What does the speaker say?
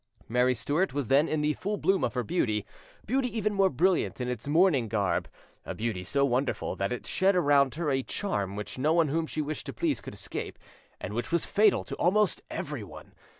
Mary Stuart was then in the full bloom of her beauty, beauty even more brilliant in its mourning garb—a beauty so wonderful that it shed around her a charm which no one whom she wished to please could escape, and which was fatal to almost everyone.